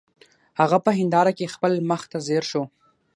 هغه په هنداره کې خپل مخ ته ځیر شو